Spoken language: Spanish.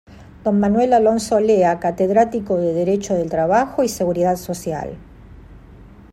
D. Manuel Alonso Olea: catedrático de Derecho del Trabajo y S. Social.